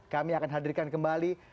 kami akan hadirkan kembali